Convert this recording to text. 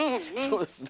そうですね。